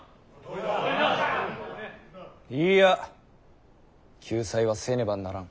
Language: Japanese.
いいや救済はせねばならぬ。